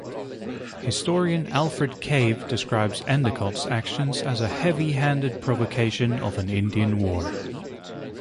Historian Alfred Cave describes Endecott's actions as a heavy-handed provocation of an Indian war.